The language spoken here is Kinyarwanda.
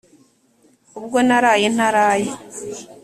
ubwo naraye ntaraye